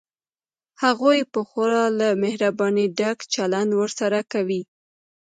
هغوی به خورا له مهربانۍ ډک چلند ورسره کوي.